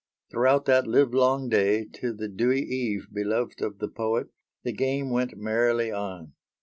Throughout that live long day to the "dewy eve" beloved of the poet the game went merrily on.